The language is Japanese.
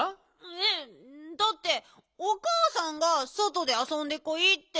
えっだっておかあさんがそとであそんでこいって。